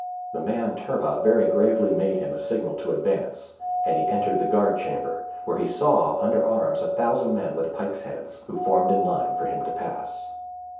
The man turbot very gravely made him a signal to advance, and he entered the guard chamber, where he saw under arms a thousand men with pikes' heads, who formed in line for him to pass.